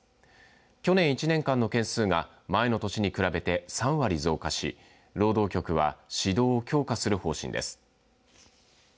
去年１年間の件数が前の年に比べて３割増加し労働局は指導を強化する方針です。